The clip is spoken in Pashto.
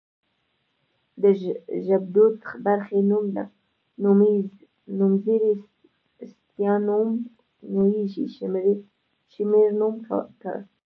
د ژبدود برخې نوم، نومځری ستيانوم ، نوږی شمېرنوم کړ